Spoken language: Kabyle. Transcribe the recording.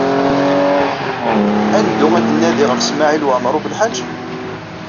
Ad neddu ad d-nnadi ɣef Smawil Waɛmaṛ U Belḥaǧ?